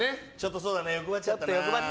そうだね、欲張っちゃったな。